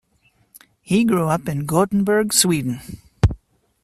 He grew up in Gothenburg, Sweden.